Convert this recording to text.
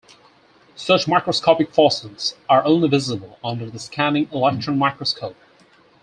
Such microscopic fossils are only visible under the scanning electron microscope.